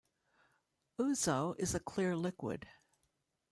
Ouzo is a clear liquid.